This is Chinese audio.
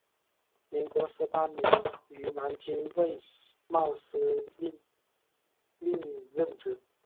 民国十八年于南京卫戍司令任职。